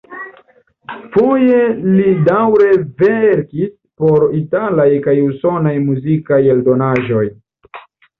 Foje li daŭre verkis por italaj kaj usonaj muzikaj eldonaĵoj.